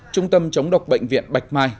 trung tâm chống độc bệnh viện bạch mai